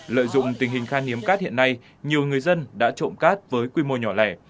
lợi dụng tình hình khan hiếm cát hiện nay nhiều người dân đã trộm cát với quy mô nhỏ lẻ